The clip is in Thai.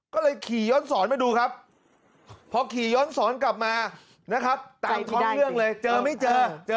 ก็เลยขี่ย้อนสอนมาดูครับพอขี่ย้อนสอนกลับมานะครับตามท้องเครื่องเลยเจอไม่เจอเจอ